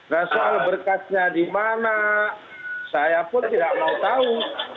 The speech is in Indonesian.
nah soal berkatnya dimana saya pun tidak mau tahu